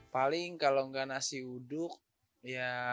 paling kalau nggak nasi uduk ya